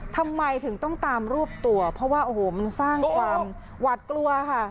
ทำไมถึงต้องตามรวบตัวเพราะว่าโอ้โหมันสร้างความหวัดกลัวค่ะ